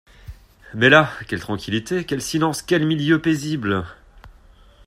Mais là, quelle tranquillité, quel silence, quel milieu paisible!